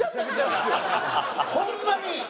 ホンマに！